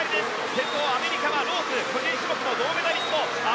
先頭、アメリカはローズ個人種目の銅メダリスト。